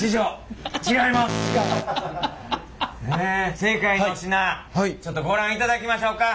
正解の品ちょっとご覧いただきましょうか。